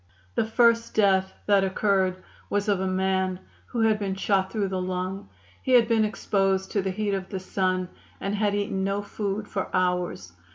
"The first death that occurred was of a man who had been shot through the lung. He had been exposed to the heat of the sun, and had eaten no food for hours.